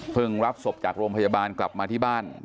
รับศพจากโรงพยาบาลกลับมาที่บ้าน